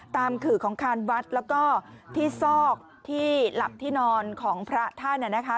ขื่อของคานวัดแล้วก็ที่ซอกที่หลับที่นอนของพระท่านนะคะ